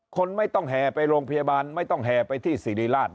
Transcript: คนไม่ต้องแห่ไปโรงพยาบาลไม่ต้องแห่ไปที่สิริราช